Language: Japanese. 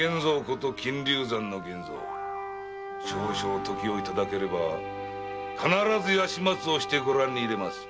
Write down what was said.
金竜山の源蔵少々時を頂ければ必ず始末してご覧に入れます。